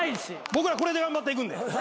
僕らこれで頑張っていくんで。